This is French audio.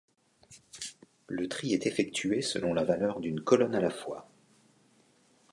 Le tri est effectué selon la valeur d'une colonne à la fois.